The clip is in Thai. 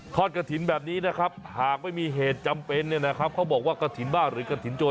กระถิ่นแบบนี้นะครับหากไม่มีเหตุจำเป็นเนี่ยนะครับเขาบอกว่ากระถิ่นบ้าหรือกระถิ่นโจร